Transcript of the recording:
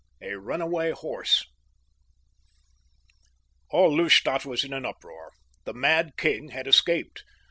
A RUNAWAY HORSE All Lustadt was in an uproar. The mad king had escaped.